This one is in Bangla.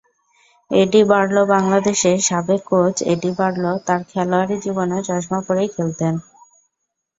এডি বারলোবাংলাদেশের সাবেক কোচ এডি বারলো তাঁর খেলোয়াড়ি জীবনে চশমা পরেই খেলতেন।